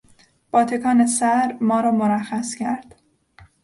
با تکان سر ما را مرخص کرد.